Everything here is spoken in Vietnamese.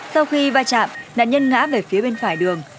sau khi va chạm nạn nhân ngã về phía bên phải đường